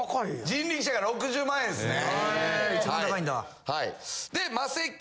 人力舎が６０万円ですね。